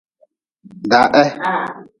Da he.